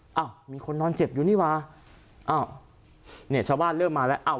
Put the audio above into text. อ้าวมีคนนอนเจ็บอยู่นี่วะอ้าวเนี่ยชาวบ้านเริ่มมาแล้วอ้าว